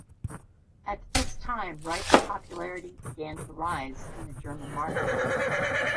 At this time Wright's popularity began to rise in the German market.